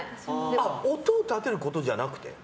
音を立てることじゃなくて？